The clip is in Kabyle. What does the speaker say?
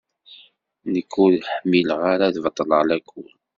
Nekk ur ḥmileɣ ara ad beṭṭleɣ lakul.